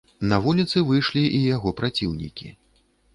На вуліцы выйшлі і яго праціўнікі.